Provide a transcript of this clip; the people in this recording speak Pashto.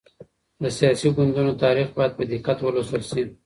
د سياسي ګوندونو تاريخ بايد په دقت ولوستل سي.